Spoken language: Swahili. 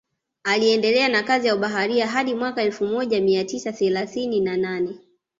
Aliendelea na kazi ya ubaharia hadi mwaka elfu moja mia tisa thelathini na nane